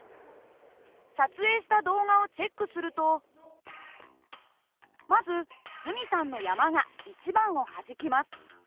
撮影した動画をチェックするとまず角さんの山が１番をはじきます。